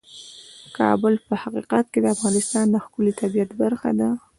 کابل په حقیقت کې د افغانستان د ښکلي طبیعت برخه ده.